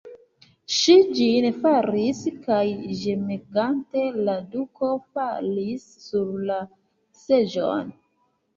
Ŝi ĝin faris, kaj ĝemegante la duko falis sur la seĝon.